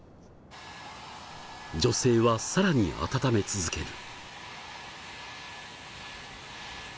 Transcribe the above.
女性はさらに温め続ける。